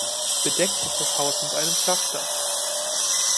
Bedeckt ist das Haus mit einem Flachdach.